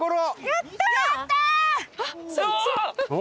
やったー！